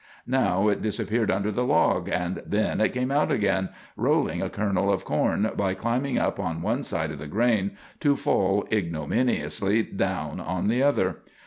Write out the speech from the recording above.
Now it disappeared under the log, and then it came out again, rolling a kernel of corn by climbing up on one side of the grain, to fall ignominiously down on the other.